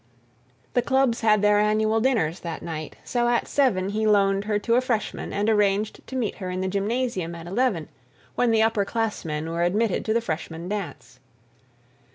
The clubs had their annual dinners that night, so at seven he loaned her to a freshman and arranged to meet her in the gymnasium at eleven, when the upper classmen were admitted to the freshman dance.